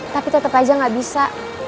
tapi tetap aja gak bisa